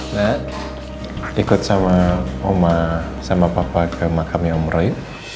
dikut sama oma sama papa ke makamnya om roy